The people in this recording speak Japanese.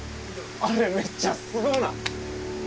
あれめっちゃすごない？